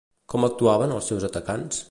Com actuaven els seus atacants?